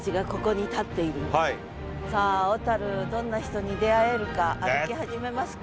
さあ小どんな人に出会えるか歩き始めますか？